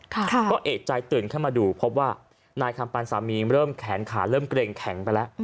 ก็เอกใจตื่นขึ้นมาดูพบว่านายคำปันสามีเริ่มแขนขาเริ่มเกรงแข็งไปแล้ว